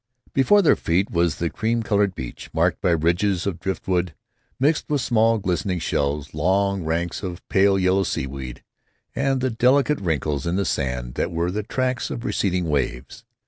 Before their feet was the cream colored beach, marked by ridges of driftwood mixed with small glistening shells, long ranks of pale yellow seaweed, and the delicate wrinkles in the sand that were the tracks of receding waves.